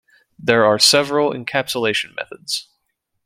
There are several encapsulation methods.